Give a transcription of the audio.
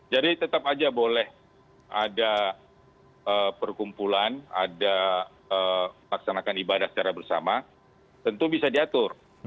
jadi tetap aja boleh ada perkumpulan ada melaksanakan ibadah secara bersama tentu bisa diatur